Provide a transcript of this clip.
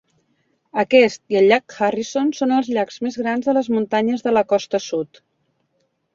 Aquest i el llac Harrison són els llacs més grans de les muntanyes de la costa sud.